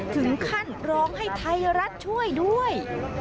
ถึงขั้นร้องให้ไทยรัฐช่วยด้วย